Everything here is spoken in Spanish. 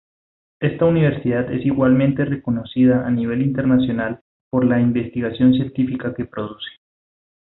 Esta universidad es igualmente reconocida, a nivel internacional, por la investigación científica que produce.